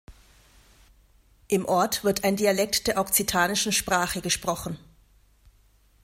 Im Ort wird ein Dialekt der okzitanischen Sprache gesprochen.